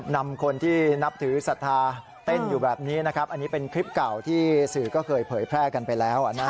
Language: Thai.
นำคนที่นับถือศรัทธาเต้นอยู่แบบนี้นะครับอันนี้เป็นคลิปเก่าที่สื่อก็เคยเผยแพร่กันไปแล้วนะ